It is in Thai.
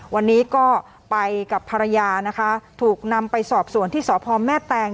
วันนี้ก็ไปกับภรรยานะคะถูกนำไปสอบสวนที่สพแม่แตง